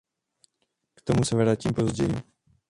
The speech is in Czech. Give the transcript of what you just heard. K tomu se vrátím později.